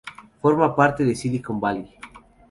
Forma parte de Silicon Valley.